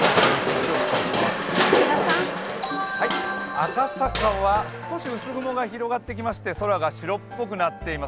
赤坂は少し薄雲が広がってきまして空が白っぽくなっています。